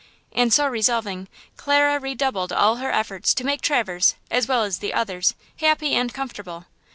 And so resolving, Clara redoubled all her efforts to make Traverse, as well as the others, happy and comfortable.